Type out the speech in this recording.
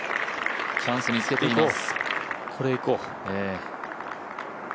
チャンスにつけています。